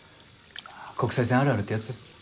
国際線あるあるってやつ？